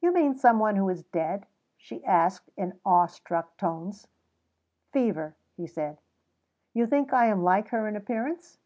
"You mean some one who is dead?" she asked in awe struck tones. "Fever," he said. "You think I am like her in appearance?"